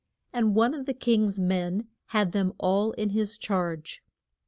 And one of the king's men had them all in his charge.